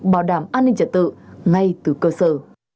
bảo đảm an ninh trật tự ngay từ cơ sở